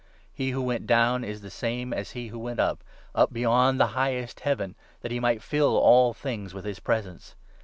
He who went down is the 10 same as he who went up — up beyond the highest Heaven, that he might fill all things with his presence.